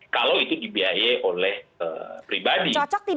kalau itu dibiaya oleh pribadi